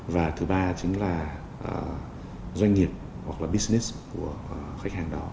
và thứ ba chính là doanh nghiệp hoặc là business của khách hàng đó